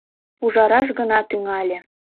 Пужараш гына тӱҥале...